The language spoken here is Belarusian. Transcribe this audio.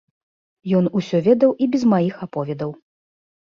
Ён усё ведаў і без маіх аповедаў.